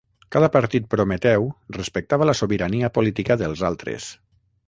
Cada partit prometeu respectava la sobirania política dels altres.